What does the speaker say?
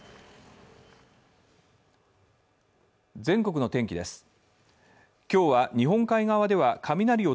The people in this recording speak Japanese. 全国の天気です。